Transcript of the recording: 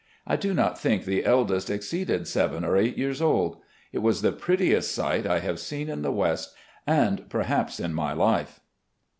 I do not think the eldest exceeded seven or eight years old. It was the prettiest sight I have seen in the west, and, perhaps, in my life.